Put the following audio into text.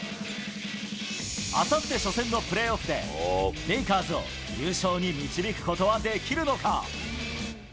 あさって初戦のプレーオフで、レイカーズを優勝に導くことはできるのか。